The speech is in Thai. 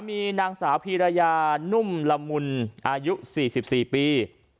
มีนางสาวพีรยานุ่มละมุนอายุ๔๔ปี